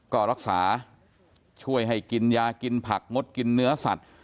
ก็รักษาช่วยให้กินยากินผักงดกินเนื้อสัตว์